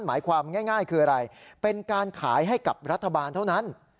หมายความง่ายคืออะไรเป็นการขายให้กับรัฐบาลเท่านั้น